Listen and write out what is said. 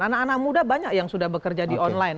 anak anak muda banyak yang sudah bekerja di online